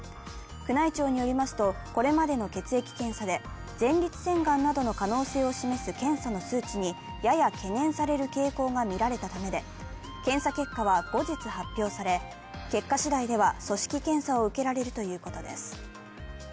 宮内庁によりますと、これまでの血液検査で前立腺がんなどの可能性を示す検査の数値にやや懸念される傾向がみられたためで、検査結果は後日発表され、結果しだいでは組織検査を受けられるということです。